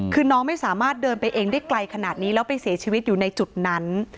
คือน้องไม่สามารถเดินไปเองได้ไกลขนาดนี้แล้วไปเสียชีวิตอยู่ในจุดนั้น